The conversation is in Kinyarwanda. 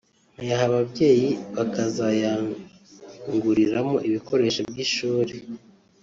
nkayaha ababyeyi bakazayanguriramo ibikoresho by’ishuri